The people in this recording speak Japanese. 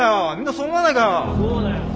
そうだよ。